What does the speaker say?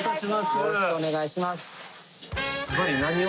よろしくお願いします。